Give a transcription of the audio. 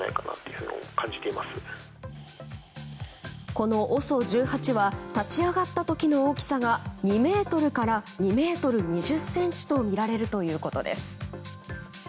このＯＳＯ１８は立ち上がった時の大きさが２ｍから２ｍ２０ｃｍと見られるということです。